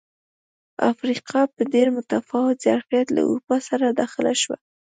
افریقا په ډېر متفاوت ظرفیت له اروپا سره داخله شوه.